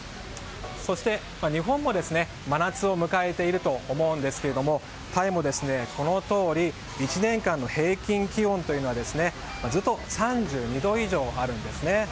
そして日本も真夏を迎えていると思うんですけれどもタイもこのとおり１年間の平均気温というのはずっと３２度以上あるんですね。